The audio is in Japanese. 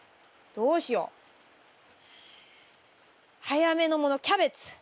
どうしよう？早めのものキャベツ。